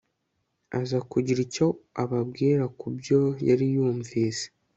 aza kugira icyo ababwira ku byo yari yumvise